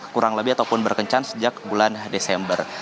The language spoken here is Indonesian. kurang lebih ataupun berkencan sejak bulan desember